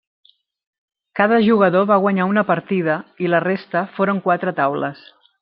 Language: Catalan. Cada jugador va guanyar una partida, i la resta foren quatre taules.